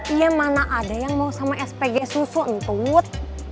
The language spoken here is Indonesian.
iya mana ada yang mau sama spg susu entut